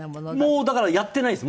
もうだからやってないです